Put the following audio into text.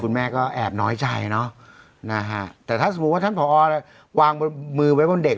แม่ก็แอบน้อยใจเนอะนะฮะแต่ถ้าสมมุติว่าท่านผอวางบนมือไว้บนเด็ก